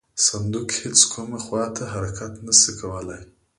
صندوق هیڅ کومې خواته حرکت نه شي کولی.